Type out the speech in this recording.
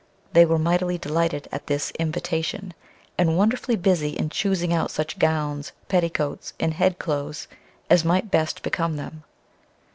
They were mightily delighted at this invitation, and wonderfully busy in chusing out such gowns, petticoats, and head clothes as might best become them.